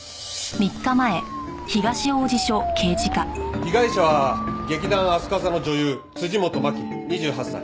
被害者は劇団飛鳥座の女優辻本マキ２８歳。